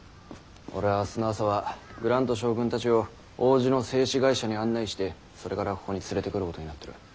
俺は明日の朝はグラント将軍たちを王子の製紙会社に案内してそれからここに連れてくることになってる。